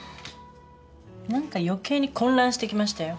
何か余計に混乱してきましたよ。